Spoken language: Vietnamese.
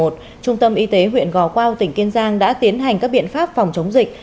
trung tâm y tế huyện gò quao tỉnh kiên giang đã tiến hành các biện pháp phòng chống dịch